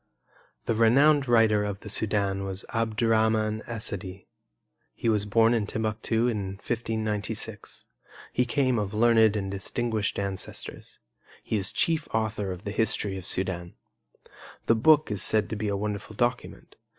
The renowned writer of the Sudan was Abdurrahman Essadi. He was born in Timbuctu in 1596. He came of learned and distinguished ancestors. He is chief author of the history of Sudan. The book is said to be a wonderful document.